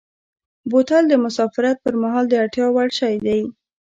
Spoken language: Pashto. بوتل د مسافرت پر مهال د اړتیا وړ شی دی.